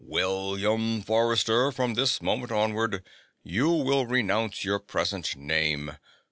"William Forrester, from this moment onward you will renounce your present name.